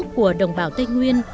của đồng bào tây nguyên